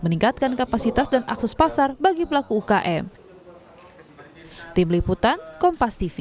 meningkatkan kapasitas dan akses pasar bagi pelaku ukm